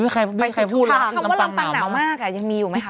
ใครไม่เคยพูดค่ะคำว่าลำปางหนาวมากอ่ะยังมีอยู่ไหมคะ